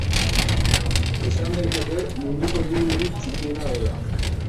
Esan daiteke munduko hiribururik txikiena dela.